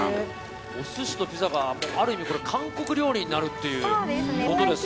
お寿司とピザが韓国料理になるということですね。